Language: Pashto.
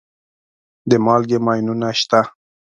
د مالګې ماینونه شته.